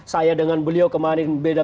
saya dengan beliau kemarin beda